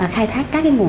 khai thác các cái nguồn